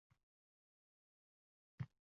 Unaqada hech kim avtohalokatga uchramasdi